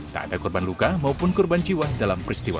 tak ada korban luka maupun korban jiwa dalam peristiwa